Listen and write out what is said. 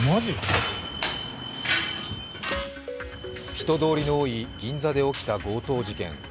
人通りの多い銀座で起きた強盗事件。